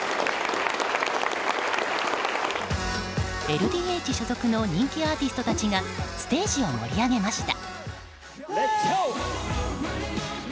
ＬＤＨ所属の人気アーティストたちがステージを盛り上げました。